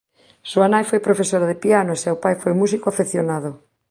Súa nai foi profesora de piano e seu pai foi músico afeccionado.